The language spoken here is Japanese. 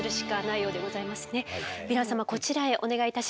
こちらへお願いいたします。